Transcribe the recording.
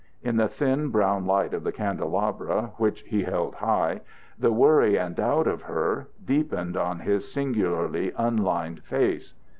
In the thin, blown light of the candelabra which he held high, the worry and doubt of her deepened on his singularly unlined face.